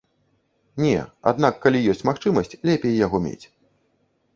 Не, аднак калі ёсць магчымасць, лепей яго мець.